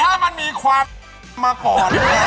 ถ้ามันมีควักมาก่อน